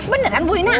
beneran bu ina